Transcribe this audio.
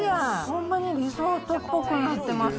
ほんまにリゾートっぽくなってます。